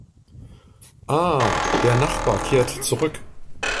Ah, der Nachbar kehrt zurück!